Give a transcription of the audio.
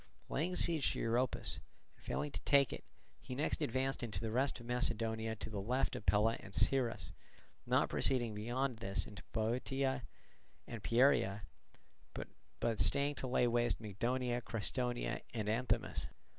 Laying siege to Europus, and failing to take it, he next advanced into the rest of Macedonia to the left of Pella and Cyrrhus, not proceeding beyond this into Bottiaea and Pieria, but staying to lay waste Mygdonia, Crestonia, and Anthemus.